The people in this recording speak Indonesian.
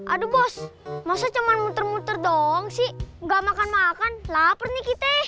aduh bos masa cuman muter muter dong sih nggak makan makan lapar nikita